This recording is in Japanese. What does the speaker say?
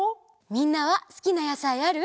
みんなはすきなやさいある？